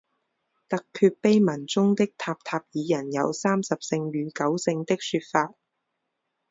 突厥碑文中的塔塔尔人有三十姓与九姓的说法。